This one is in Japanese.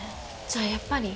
じゃあやっぱり。